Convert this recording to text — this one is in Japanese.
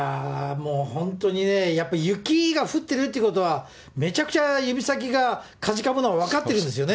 もう、本当にね、やっぱ雪が降ってるってことは、めちゃくちゃ指先がかじかむのは分かってるんですよね。